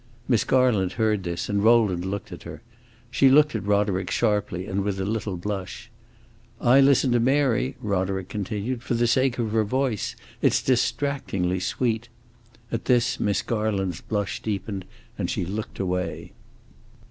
Miss Garland heard this, and Rowland looked at her. She looked at Roderick sharply and with a little blush. "I listen to Mary," Roderick continued, "for the sake of her voice. It 's distractingly sweet!" At this Miss Garland's blush deepened, and she looked away.